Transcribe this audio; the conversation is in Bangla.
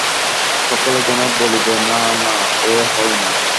সকলে যেন বলিবে-না, না, এ হয় না!